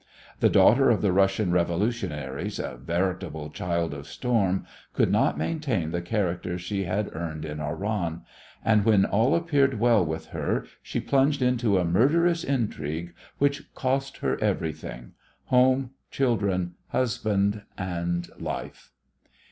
The daughter of the Russian revolutionaries, a veritable child of storm, could not maintain the character she had earned in Oran; and when all appeared well with her she plunged into a murderous intrigue which cost her everything home, children, husband and life!